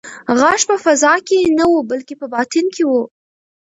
غږ په فضا کې نه و بلکې په باطن کې و.